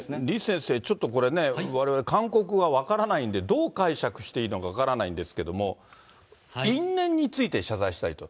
李先生、ちょっとこれね、われわれ感覚は分からないんでどう解釈していいのか分からないんですけれども、因縁について謝罪したいと。